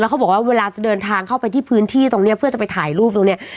เขาบอกว่าเวลาจะเดินทางเข้าไปที่พื้นที่ตรงนี้เพื่อจะไปถ่ายรูปตรงนี้